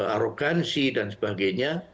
arogansi dan sebagainya